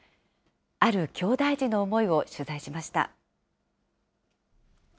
あるきょうだい児の思いを取材しました。